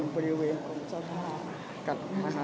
บริเวณของเจ้าหน้ากันนะคะ